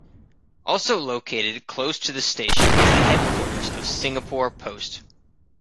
Also located close to the station is the headquarters of Singapore Post.